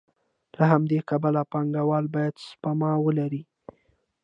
له همدې کبله پانګوال باید سپما ولري